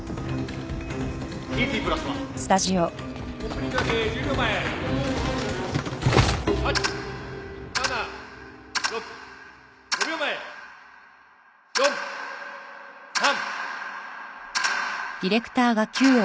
『ＴＴプラスワン』オープニング明け１０秒前８７６５秒前４３。